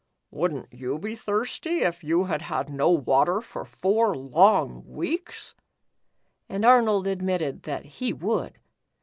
Would n't you be thirsty, if you had had no water for four long weeks ?" And Arnold admitted that he would.